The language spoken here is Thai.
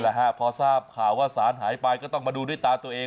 พอทราบข่าวว่าสารหายไปก็ต้องมาดูด้วยตาตัวเอง